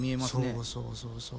そうそうそうそう。